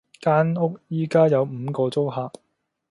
間屋而家有五個租客